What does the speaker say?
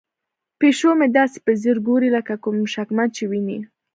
پیشو مې داسې په ځیر ګوري لکه کوم شکمن شی چې ویني.